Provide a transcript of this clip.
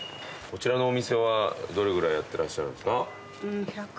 こちらのお店はどれぐらいやってらっしゃるんですか？